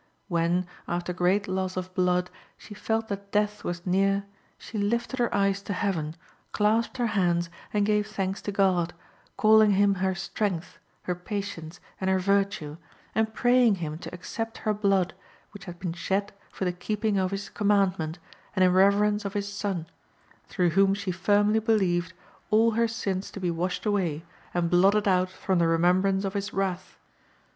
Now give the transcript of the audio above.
When, after great loss of blood, she felt that death was near, she lifted her eyes to heaven, clasped her hands and gave thanks to God, calling Him her strength, her patience, and her virtue, and praying Him to accept her blood which had been shed for the keeping of His commandment and in reverence of His Son, through whom she firmly believed all her sins to be washed away and blotted out from the remembrance of His wrath.